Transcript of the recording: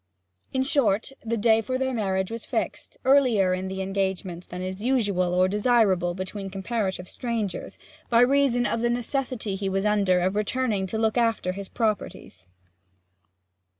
In short, a day for their marriage was fixed, earlier in the engagement than is usual or desirable between comparative strangers, by reason of the necessity he was under of returning to look after his properties.